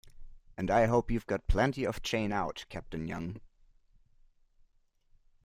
And I hope you've got plenty of chain out, Captain Young.